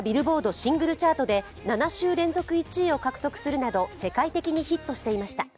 シングルチャートで７週連続１位を獲得するなど世界的にヒットしていました。